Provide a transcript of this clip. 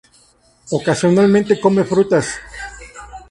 Ocasionalmente come frutas.